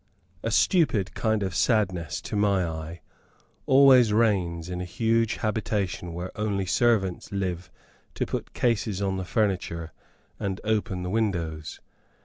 A stupid kind of sadness, to my eye, always reigns in a huge habitation where only servants live to put cases on the furniture and open the windows.